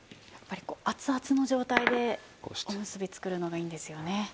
やっぱりこう熱々の状態でおむすび作るのがいいんですよね。